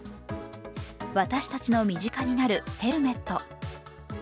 私たちの身近になるヘルメット。